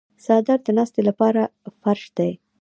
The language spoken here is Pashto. څادر د ناستې لپاره فرش دی.